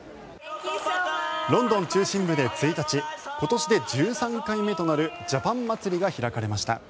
ロンドン中心部で１日今年で１３回目となるジャパン祭りが開かれました。